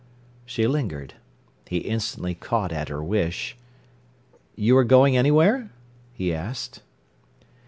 She lingered. He instantly caught at her wish. "You are going anywhere?" he asked.